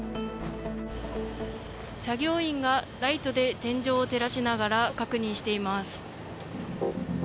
作業員がライトで天井を照らしながら確認しています。